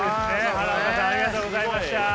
花岡さんありがとうございました。